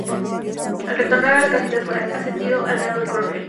Al retornar a la capital, fue ascendido al grado de coronel.